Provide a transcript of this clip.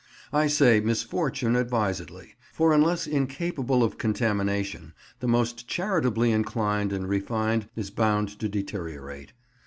I say "misfortune" advisedly, for unless incapable of contamination the most charitably inclined and refined is bound to deteriorate.